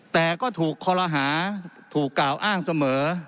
แต่ก็ถูกคอลหาถูกกล่าวอ้างเสมอ